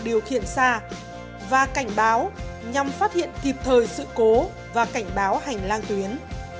để phát hiện kịp thời sự cố và cảnh báo hành lang tuyến